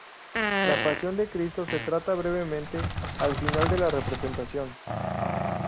La Pasión de Cristo se trata brevemente al final de la representación.